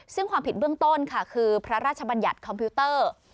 ซึ่งความผิดเบื้องต้นค่ะคือพระราชบัญญัติคอมพิวเตอร์